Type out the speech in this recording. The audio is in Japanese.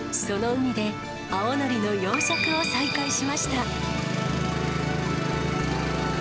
その海で、青のりの養殖を再開しました。